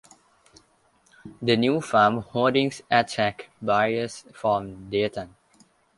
The new farm holdings attracted buyers from Drayton.